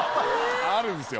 あるんですよ。